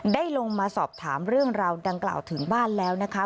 ได้ลงมาสอบถามเรื่องราวดังกล่าวถึงบ้านแล้วนะคะ